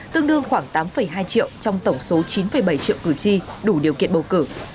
tương đương khoảng tám hai triệu trong tổng số chín bảy triệu cử tri đủ điều kiện bầu cử